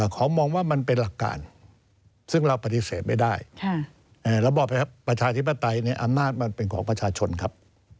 ขอมองว่ามันเป็นหลักการซึ่งเราปฏิเสธไม่ได้ระบอบประชาธิปไตยในอำนาจมันเป็นของประชาชนครับ